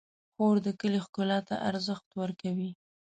خور د کلي ښکلا ته ارزښت ورکوي.